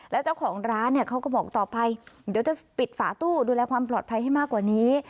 แล้วเจ้าของร้านเนี่ยเขาก็บอกต่อไปเดี๋ยวจะปิดฝาตู้ดูแลความปลอดภัยให้มากกว่านี้